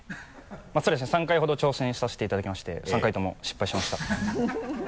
まぁそうですね３回ほど挑戦させていただきまして３回とも失敗しました。